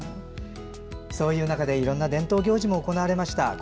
そういう中で、いろんな伝統行事も行われました。